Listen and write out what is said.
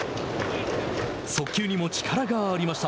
速球にも力がありました。